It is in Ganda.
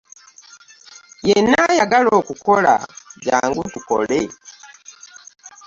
Yenna ayagala okukola jangu tukole.